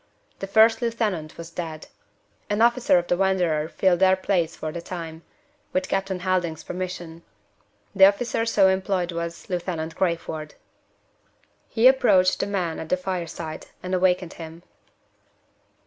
The first lieutenant was dead. An officer of the Wanderer filled their places for the time, with Captain Helding's permission. The officer so employed was Lieutenant Crayford. He approached the man at the fireside, and awakened him.